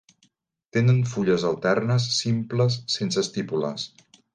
Tenen fulles alternes, simples, sense estípules.